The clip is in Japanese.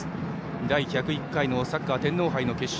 第１０１回のサッカー天皇杯決勝。